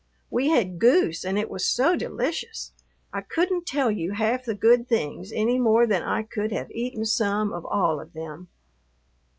We had goose and it was so delicious. I couldn't tell you half the good things any more than I could have eaten some of all of them.